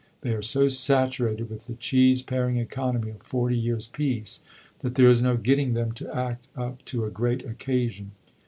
They are so saturated with the cheese paring economy of forty years' peace, that there is no getting them to act up to a great occasion."